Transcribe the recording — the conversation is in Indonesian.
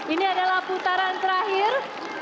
ini adalah putaran terakhir